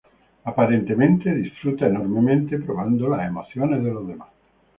Aparentemente disfruta enormemente probando las emociones de los demás.